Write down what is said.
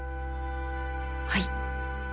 はい。